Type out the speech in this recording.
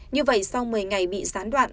như vậy sau một mươi ngày bị gián đoạn